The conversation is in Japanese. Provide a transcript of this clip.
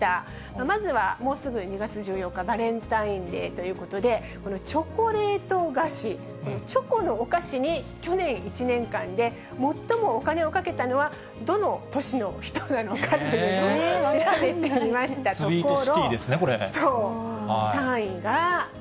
まずはもうすぐ２月１４日、バレンタインデーということで、このチョコレート菓子、このチョコのお菓子に去年１年間で最もお金をかけたのはどの都市の人なのかというのを調べてみましたところ。